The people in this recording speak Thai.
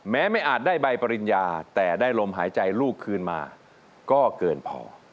ไม่อาจได้ใบปริญญาแต่ได้ลมหายใจลูกคืนมาก็เกินพอ